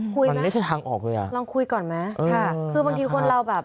ไม่ใช่ทางออกเลยอ่ะลองคุยก่อนไหมค่ะคือบางทีคนเราแบบ